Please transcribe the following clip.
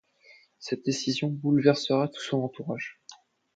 Cette décision bouleversera tout son entourage.